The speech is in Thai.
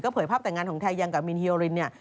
เผยภาพแต่งงานของไทยยังกับมินฮีโรรินเนี่ย